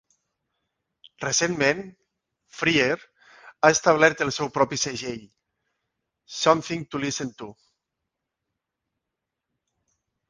Recentment, Fryer ha establert el seu propi segell, Something To Listen To.